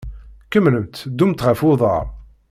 Kemmlemt ddumt ɣef uḍaṛ.